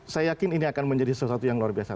saya yakin ini akan menjadi sesuatu yang luar biasa